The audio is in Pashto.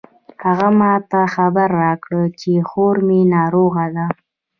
هغې ما ته خبر راکړ چې خور می ناروغه ده